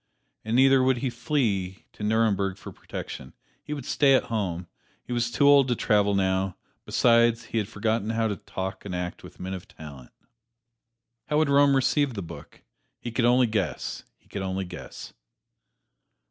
And neither would he flee to Nuremberg for protection; he would stay at home he was too old to travel now besides, he had forgotten how to talk and act with men of talent. How would Rome receive the book? He could only guess he could only guess.